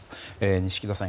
錦田さん